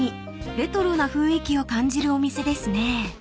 ［レトロな雰囲気を感じるお店ですね］